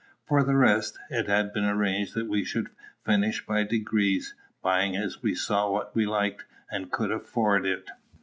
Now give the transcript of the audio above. For the rest, it had been arranged that we should furnish by degrees, buying as we saw what we liked, and could afford it.